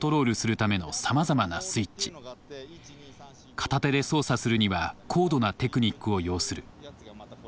片手で操作するには高度なテクニックを要する。